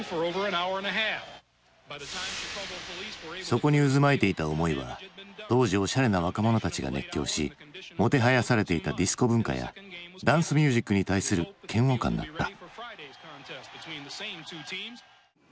そこに渦巻いていた思いは当時おしゃれな若者たちが熱狂しもてはやされていたディスコ文化やダンスミュージックに対する嫌悪感だった。